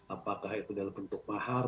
apakah itu dalam bentuk mahar